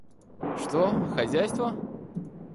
Что хозяйство?